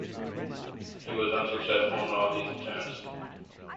He was unsuccessful in all these attempts.